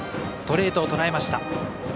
ストレートをとらえました。